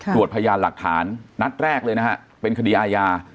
พยานหลักฐานนัดแรกเลยนะฮะเป็นคดีอาญา